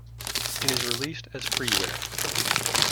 It is released as freeware.